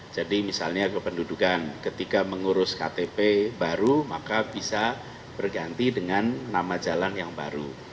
jadi misalnya kependudukan ketika mengurus ktp baru maka bisa berganti dengan nama jalan yang baru